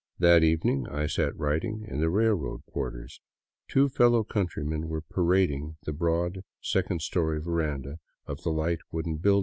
That evening I sat writing in the rail road quarters. Two fellow countrymen were parading the broad, sec ond story veranda of the light wooden building.